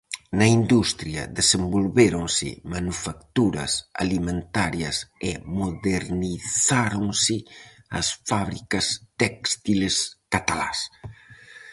Na industria desenvolvéronse manufacturas alimentarias e modernizáronse as fábricas téxtiles catalás.